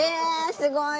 すごいな。